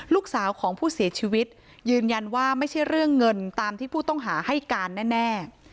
ลูกสาวของผู้เสียชีวิตยืนยันว่าไม่ใช่เรื่องเงินตามที่ผู้ต้องหาให้การแน่